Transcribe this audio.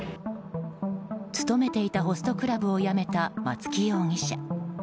勤めていたホストクラブをやめた松木容疑者。